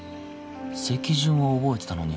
席順は覚えてたのに？